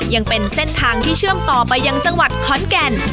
ยังเป็นเส้นทางที่เชื่อมต่อไปยังจังหวัดขอนแก่น